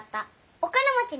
お金持ちに。